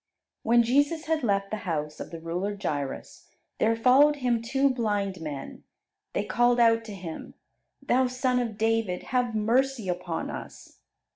When Jesus had left the house of the ruler Jairus, there followed Him two blind men. They called out to Him, "Thou Son of David, have mercy upon us."